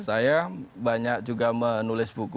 saya banyak juga menulis buku